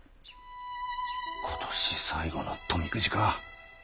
今年最後の富くじか。